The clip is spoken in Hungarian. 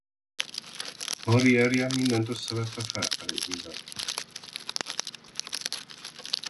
Karrierje mindent összevetve felfelé ívelt.